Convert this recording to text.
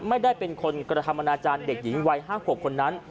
ไม่ได้เป็นคนกระทำอนาจารย์เด็กหญิงวัย๕ขวบคนนั้น